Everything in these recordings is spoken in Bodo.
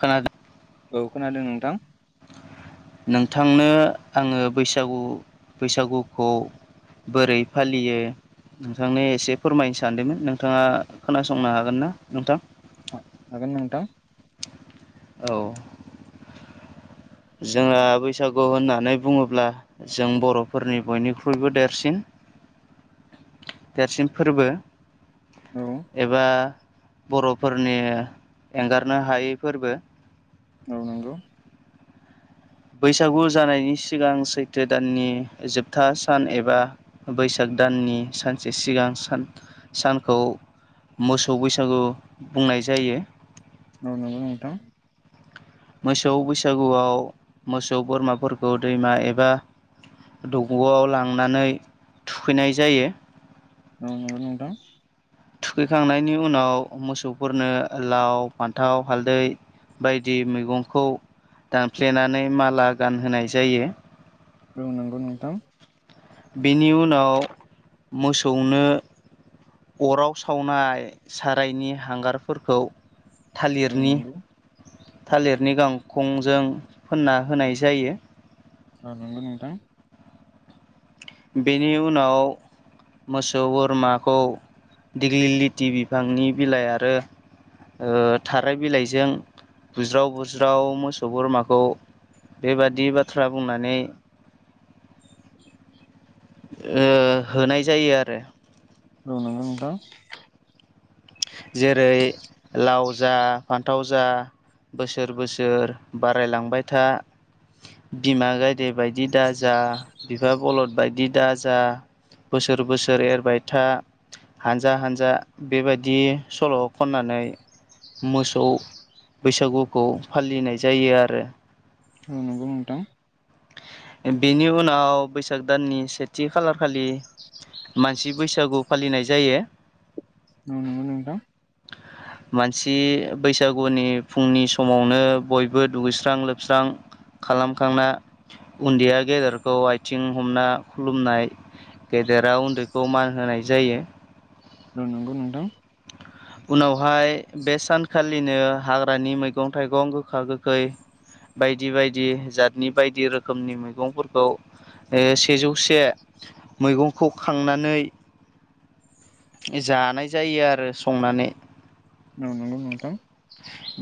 खोनादों औ खोनादों नोंथां, थांनो आंङो बैसागुखौ बोरै फालियो नोंथांनो एसे फोरमायनो सानदोंमोन नोंथांङा खोनासंनो हागोन ना नोंथां, ! हागोन नोंथां। औ, जोंहा बैसागु होननानै बुंङोब्ला जों बर'फोरनि बयनिख्रुइबो देरसिन देरसिन फोरबो औ एबा बर'फोरनि एंगारनो हायै फोरबो। औ नंगौ। बैसागु जानायनि सिगां सैथो दाननि जोबथा सान एबा बैसाग दाननि सानसे सिगां सान सानखौ मोसौ बैसागु बुंनाय जायो। औ नंगौ नोंथां। मोसौ बैसागुआव मोसौ बोरमाफोरखौ दैमा एबा दग'आव लांनानै थुखैनाय जायो। औ नंगौ नोंथां। थुखैखांनायनि उनाव मोसौफोरनो लाव, फान्थाव, हालदै बायदि मैगंखौ दानफ्लेनानै माला गानहोनाय जायो। औ नगौ नोंथां। बेनि उनाव मोसौनो अराव सावनाय सारायनि हांगारफोरखौ औ थालिरनि नंगौ थालिरनि गांखंजों फोनना होनाय जायो। औ नंगौ नोंथां। बेनि उनाव मोसौ बोरमाखौ दिग्लि लिथि बिफांनि बिलाइ आरो ओ थाराय बिलाइजों बुज्राव बुज्राव मोसौ बोरमाखौ बेबादि बाथ्रा बुंनानै ओ होनाय जायो आरो। औ नंगौ नोंथां। जेरै लाव जा फान्थाव जा बोसोर बोसोर बारायलांबाय था। बिमा गायदे बायदि दाजा, बिफा बलद बायदि दाजा। बोसोर बोसोर एरबाय था, हानजा हानजा बेबाय दि सल' खननानै मोसौ बैसागुखौ फालिनाय जायो आरो। औ नंगौ नों बेनि उनाव बैसाग दाननि सेथि खालारखालि मानसि बैसागु फालिनाय जायो। औ नंगौ नोंथां। मानसि बैसागुनि फुंनि समावनो बयबो दुगैस्रां लोबस्रां खालामखांना उन्दैया गेदेरखौ आथिं हमना खुलुमनाय। गेदेरा उन्दैखौ मान होनाय जायो। औ नंगौ नोंथां‌‌। [inaudible] उनावहाय बे सानखालिनो हाग्रानि मैगं थाइगं गोखा गोखै बायदि बायदि जातनि बायदि रोखोमनि मैगंफोरखौ ओ सेजौसे मैगंखौ खांनानै जानाय जायो आरो संनानै।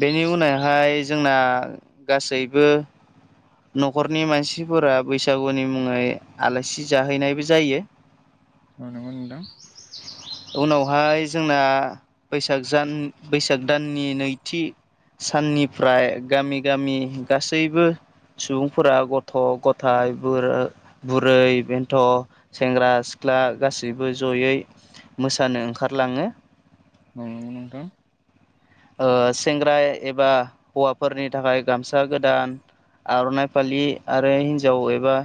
बेनि उनावहाय जोंना गासैबो न'खरनि मानसिफोरा बैसागुनि मुङै आलासि जाहैनायबो जायो। औ नंगौ नोंथां। हाय जोंना बैसाग जान बैसाग दाननि नैथि साननिफ्राय गामि गामि गासैबो सुबुंफोरा गथ' गथाय बचर बुरै बेन्थ' सेंग्रा सिख्ला दा गासैबो जयै मोसानो ओंखारलाङो। ओं नोंथां। ओ सेंग्रा एबा हौवाफोरनि थाखाय गामसा गोदान आर'नाइ फालि आरो हिन्जाव एबा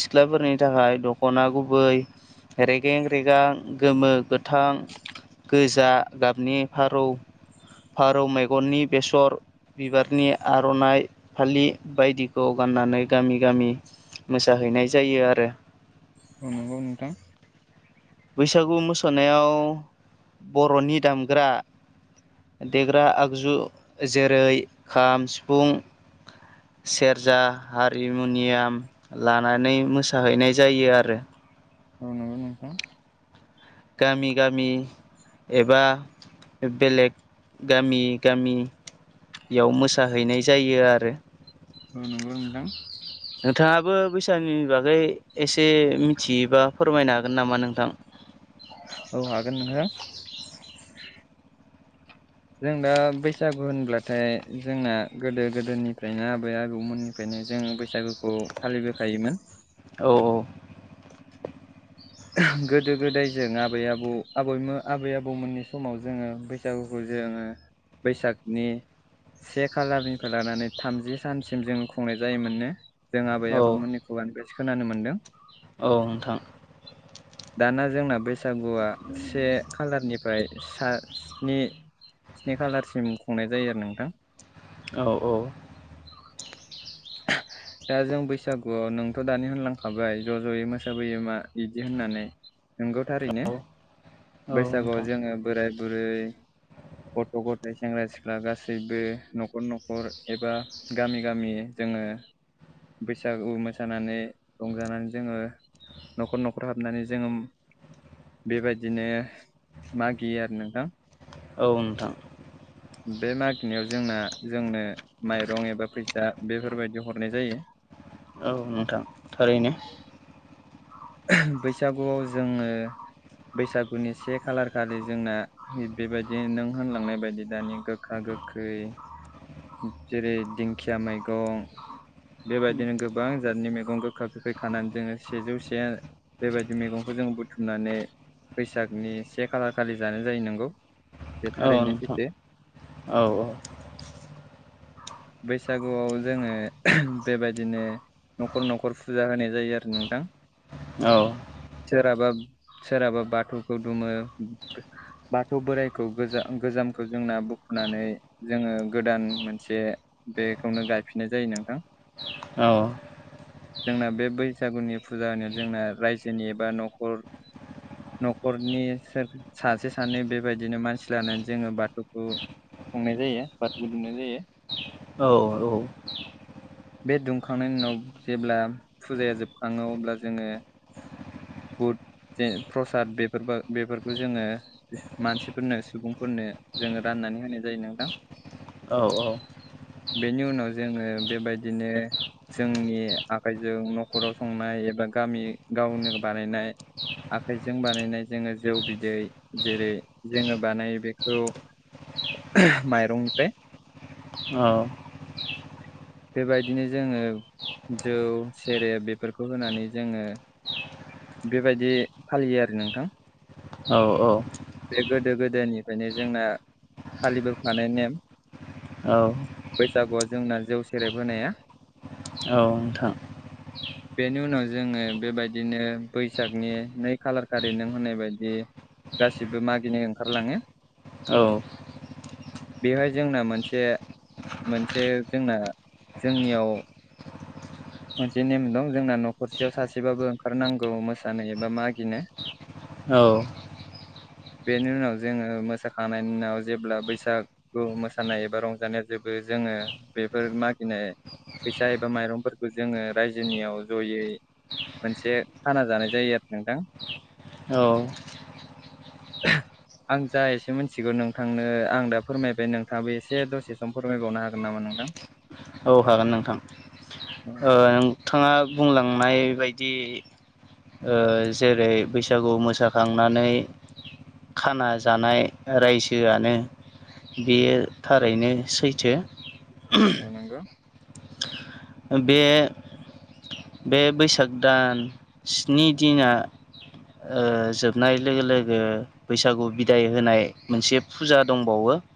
सिख्लाफोरनि थाखाय दख'ना गुबै। रेगें रेगां गोमो गोथां। गोजा गाबनि फारौ फारौ मेगननि बेसर बिबारनि आर'नाइ फालि बायदिखौ गाननानै गामि गामि मोसाहैनाय जायो आरो नंगौ नोंथां बैसागु मोसानायाव बर'नि दामग्रा देग्रा आगजु जेरै खाम सिफुं सेरजा हारिमुनियाम लानानै मोसाहैनाय जायो आरो औ नोंगौ नोंथां गामि गामि एबा बेलेग गामि गामि याव मोसाहैनाय जायो आरो औ नंगौ नोंथां नोंथाङाबो बैसागुनि बागै एसे मिथियोबा फोरमायनो हागोन नामा नोंथां लांदां औ हागोन नोंक हो जों दा बैसागु होनब्लाथाय जोंना गोदो गोदोनिफ्रायनो आबै आबौमोननिफ्रायनो जोंङो बैसागुखौ फालिबोखायोमोन औ औ गोदो गोदाय जों आबै आबौ आबैमोन आबै आबौमोननि समाव जोङो बैसागुखौ जोङो बैसागनि से खालारनिफ्राय लानानै थामजि सानसिम जों खुंनाय जायोमोननो जों आबै औ आबौमोननि खुगानिफ्रायसो खोनानो मोन्दों औ नोंथां दाना जोंना बैसागुआ से खालारनिफ्राय ओमफ्राय सा स्नि स्नि खालारसिम खुंनाय जायो आरो नोंथां औ औ लांदां दा जों बैसागुआव नोंथ' दानि होनलांखाबाय ज' ज'यै मोसाबोयो मा बिदि होननानै नंगौ थारैनो औ औ बैसागुआव नोंथां जोङो बोराय बुरै गथ' गथाइ सेंग्रा सिख्ला गासैबो न'खर न'खर एबा गामि गामि जोङो बैसागु मोसानानै रंजानानै जोङो न'खर न'खर हाबनानै जोङो बेबायदिनो मागियो आरो नोंथां औ नोंथां बे मागिनायाव जोंना जोंनो माइरं एबा फैसा बेफोरबायदि हरनाय जायो औ नोंथां थारैनो बैसागुआव जोङो बैसागुनि से खालार खालि जोंना बेबायदि नों होनलांनाय बायदि दानि गोखा गो गोखै जेरै दिंखिया मैगं बेबायदिनो गोबां जादनि मेगं गोखा गोखै खानानै जोङो सेजौ ज बेबायदि मैगंखौ जों बुथुमनानै बैसागनि से खालार खालि जानाय जायो नोंगौ औ नोंथां औ औ बैसागुआव जोङो बेबायदिनो न'खर न'खर फुजा होनाय जायो आरो नोंथां औ सोरहाबा सोरहाबा बाथौखौ दुुमो बाथौ बोराइखौ गोजा गोजामखौ जोंना बु फुनानै जोङो गोदान मोनसे बेखौनो गायफिननाय जायो नोंथां औ जोंना बे बैसागुनि फुजा होनायाव जोंना रायजोनि एबा न'खर न'खरनि सोर सासे सानै बेबायदिनो मानसि लानानै जोङो बाथौखौ संनाय जायो बाथौबो दुमनाय जायो औ औ बे दुमखांनायनि उनाव जेब्ला फुजाया जोबखाङो अब्ला जोङो बुद जे प्रसाद बेफोर बेफोरखौ जोङो मानसिफोरनो सुबुंफोरनो जोङो रान नानै होनाय जायो नोंथां औ औ बेनि उनाव जोङो बेबायदिनो जोंनि आखाइजों न'खराव संनाय एबा गामि गावनो बानायनाय आखाइजों बानायनाय जोङो जौ बिदै जेरै जोङो बानायो बेखौ माइरंनिफ्राय औ बेबायदिनो जोङो जौ सेरेब बेफोरखौ होनानै जोङो बेबायदि फालियो आरो नोंथां औ औ औ बे गोदो गोदायनिफ्रायनो जोंना फालिबोफानाय नेम औ बैसागुआव जोंना जौ सेरेब होनाया थां बेनि उनाव जोङो बेबायदिनो बैसागनि नै खालार खारि नों होननाय बायदि गासिबो मागिनो ओंखारलाङो औ बेवहाय जोंना मोनसे मोनसे जोंना जोंनियाव मोनसे नेम दं जोंना न'खरसेयाव सासेबाबो ओंखारनांगौ मोसानो एबा मागिनो औ बेनि उनाव जोङो मोसाखांनायनि उनाव जेब्ला बैसागु मोसानाय एबा रंजानाया जोबो जोङो बेफोर मागिनाय फैसा एबा माइरंफोर जोङो रायजोनियाव जयै मोनसे खाना जानाय जायो आरो नोंथां औ आं जा एसे मिथिगौ नोंथांनो आं दा फोरमायबाय नोंथाङाबो एसे दसे सम फोरमायबावनो हागोन नामा नों नोंथां औ हागोन नोंथां ओ नोंथाङा बुंलांनाय बायदि ओ जेरै बैसागु मोसाखांनानै खाना जानाय रायजोआनो बेयो थारैनो सैथो अ नोंगौ ओ बे बे बैसाग दान स्नि दिना ओ जोबनाय लोगो लोगो बैसागु बिदाय होनाय मोनसे फुजा दंबावो [inaudible]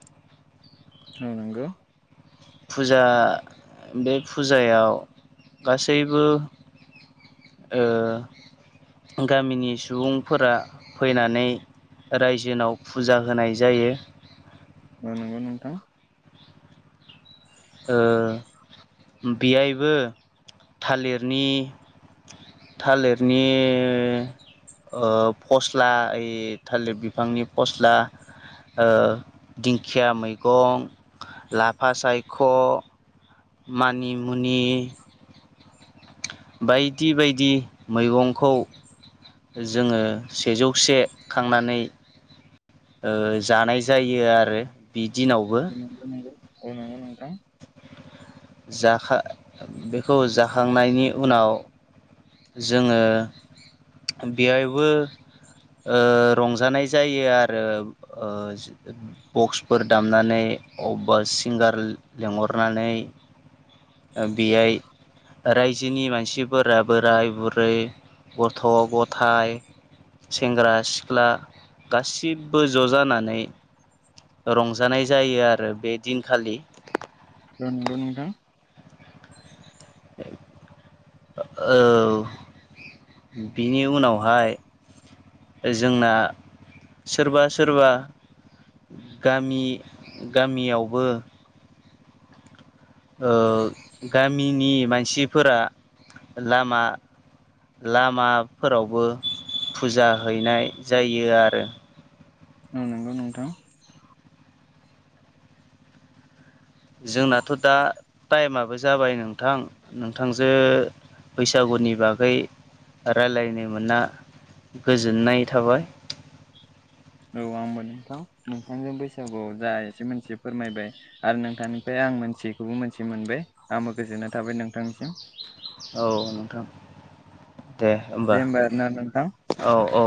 औ नोंगौ फुजा बे फुजायाव गासैबो ओ गामिनि सुबुंफोरा फैनानै रायजोनाव फुजा होनाय जायो औ नोंगौ नोंथां ओ बेहायबो थालिरनि थालिरनि ओ फस्ला ओइ थालिर बिफांनि फस्ला ओ दिंखिया मैगं लाफा सायख' मानिमुनि बायदि बायदि मैगंखौ जोङो सेजौसे खांनानै जानाय जायो आरो बि दिनावबो नंगौ नंगौ औ नंगौ नोंथां जाखा बेखौ जाखांनायनि उनाव जोङो बेवहायबो रंजानाय जायो आरो बक्सफोर दामनानै अवबा सिंगार लेंहरनानै बेहाय रायजोनि मानसिफोरा बोराय बुरै गथ' गथाइ सेंग्रा सिख्ला गासिबो ज' जानानै रंजानाय जायो आरो बे दिनखालि। औ नंगौ नोंथां। औ बिनि उनावहाय जोंना सोरबा सोरबा गामि गामियावबो ओ गामिनि मानसिफोरा लामा लामाफोरावबो फुजा हैनाय जायो आरो। औ नंगौ नोंथां। जोंनाथ' दा टाइमाबो जाबाय नोंथां नोंथांजो बैसागुनि बागै रायलायनो मोनना गोजोननाय थाबाय। औ आंबो नोंथां नोंथांजों बैसागुआव जा एसे मोनसे फोरमायबाय आरो नोंथांनिफ्राय आं आं मोनथियैखौबो मोनथि मोनबाय आंबो गोजोननाय थाबाय नोंथांनिसिम। औ नोंथां। दे होमबा औ औ